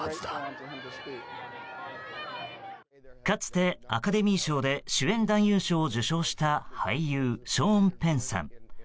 かつてアカデミー賞で主演男優賞を受賞した俳優ショーン・ペンさん。